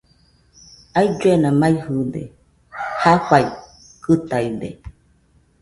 Ailluena maɨde, jafaikɨtaide.